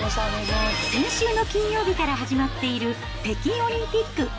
先週の金曜日から始まっている北京オリンピック。